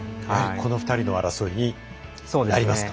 この２人の争いになりますか？